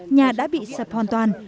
nhà đã bị sập hoàn toàn